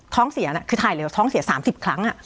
ท้องเสียน่ะคือถ่ายเลยว่าท้องเสียสามสิบครั้งอ่ะ